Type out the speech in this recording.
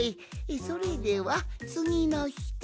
それではつぎのひと！